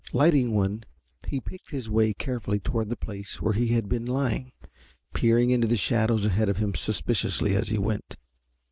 Lighting one he picked his way carefully toward the place where he had been lying, peering into the shadows ahead of him suspiciously as he went.